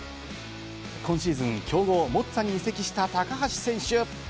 今シーズン強豪・モンツァに移籍した高橋選手。